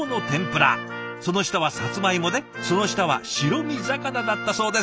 その下はさつまいもでその下は白身魚だったそうです。